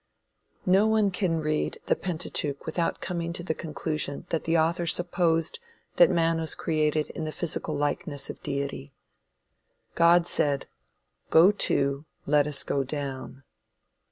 No one can read the Pentateuch without coming to the conclusion that the author supposed that man was created in the physical likeness of Deity. God said "Go to, let us go down."